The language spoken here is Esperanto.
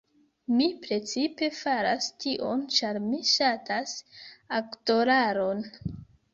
Mi precipe faras tion ĉar mi ŝatas aktoraron